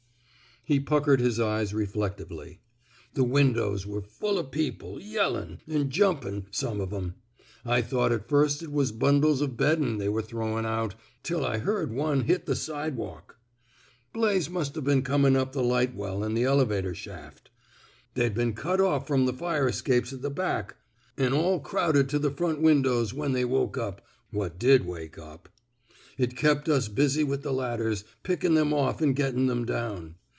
*' He puckered his eyes reflectively. The windows were full o' people — yellin' — an' jumpin', some o' them. I thought at first it was bundles o' beddin' they were throwin' out — till I heard one hit the sidewalk. ... Blaze must Ve been comin' up the light well an' th' elevator shaft. They'd been cut off from the fire e@capes at the back, an' all 285 THE SMOKE EATERS crowded to the front windows when they woke np — what did wake up. ... It kept ns bnsy with the ladders, pickin* them off an' gettin' them down.